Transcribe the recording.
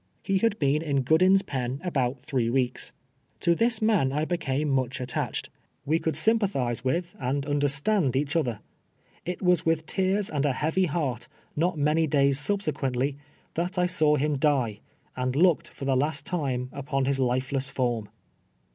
He had been in Goodin's pen about three weeks. To this man I became much attached. We coidd sympathize with, and understand G2 TWELVE YEARS A SLAVE. each other. It was with tears and a heavy heart, not many days suljsequently, that I saw him die, and looked lor the hist time u})on liis lifeless form!